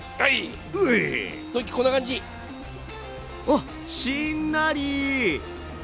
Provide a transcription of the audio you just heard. あっしんなり！